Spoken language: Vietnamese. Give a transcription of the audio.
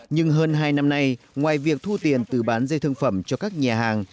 nhưng hơn hai năm nay ngoài việc thu tiền từ bán dê thương phẩm cho các nhà hàng